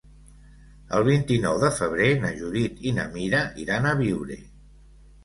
El vint-i-nou de febrer na Judit i na Mira iran a Biure.